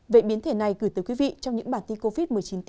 về biến thể này gửi tới quý vị